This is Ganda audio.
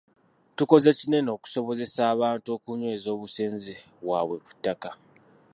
Tukoze kinene okusobozesa abantu okunyweza obusenze bwabwe ku ttaka.